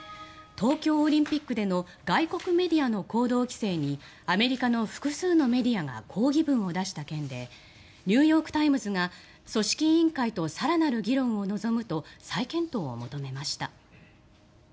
東京オリンピックでの外国メディアの行動規制にアメリカの複数のメディアが抗議文を出した件でニューヨーク・タイムズが組織委員会と更なる議論を望むと再検討を求めました。